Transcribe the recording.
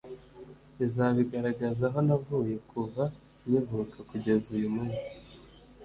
izaba igaragaza aho navuye kuva nkivuka kugeza uyu munsi”